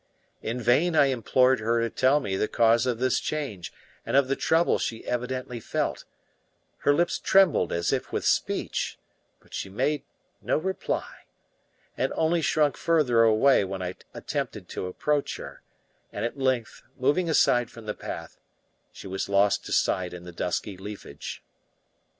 In vain I implored her to tell me the cause of this change and of the trouble she evidently felt; her lips trembled as if with speech, but she made no reply, and only shrunk further away when I attempted to approach her; and at length, moving aside from the path, she was lost to sight in the dusky leafage.